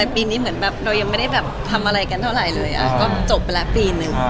ปีนี้เราไม่ได้ทำอะไรกันเท่าไรเลยจบแล้ว๑ปีนึง